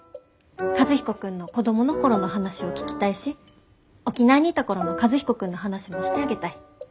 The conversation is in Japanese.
和彦君の子供の頃の話を聞きたいし沖縄にいた頃の和彦君の話もしてあげたい。